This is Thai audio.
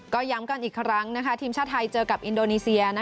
ก็ย้ำกันอีกครั้งทีมชาติไทยเจอกับอินโดนีเซีย